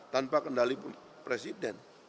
tanpa kendali presiden